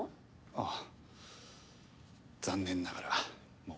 ああ残念ながらもう。